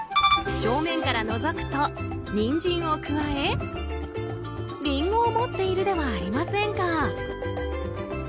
正面からのぞくとニンジンをくわえリンゴを持っているではありませんか。